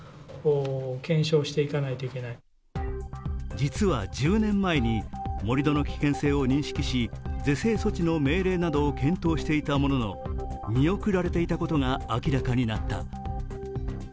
実は１０年前に盛り土の危険性を認識し是正措置の命令などを検討していたものの見送られていたことが明らかになった。